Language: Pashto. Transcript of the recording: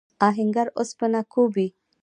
آهنګر اوسپنه کوبي.